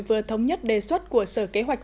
vừa thống nhất đề xuất của sở kế hoạch